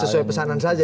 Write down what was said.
sesuai pesanan saja